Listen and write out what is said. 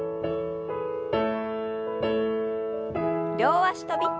両脚跳び。